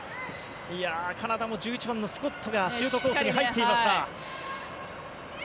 カナダも１１番のスコットがシュートコースに入っていました。